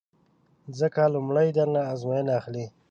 ځکه لومړی در نه ازموینه اخلي